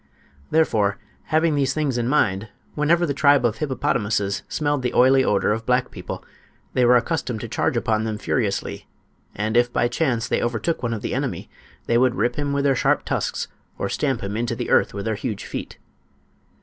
Therefore, having these things in mind, whenever the tribe of hippopotamuses smelled the oily odor of black people they were accustomed to charge upon them furiously, and if by chance they overtook one of the enemy they would rip him with their sharp tusks or stamp him into the earth with their huge feet.